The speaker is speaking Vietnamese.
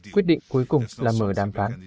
quyết định cuối cùng là mở đàm phán